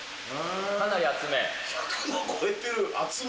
かなり熱め。